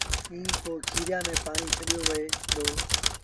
ائيٚݩ پو کيريآݩ ميݩ پآڻيٚ ڇڏيو وهي دو